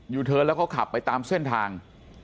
อยู่เทิร์นแล้วก็ขับไปตามเส้นทาง